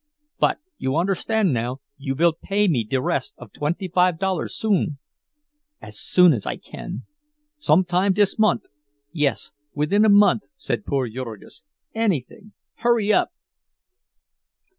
—But you understand now—you vill pay me de rest of twenty five dollars soon?" "As soon as I can." "Some time dis mont'?" "Yes, within a month," said poor Jurgis. "Anything! Hurry up!"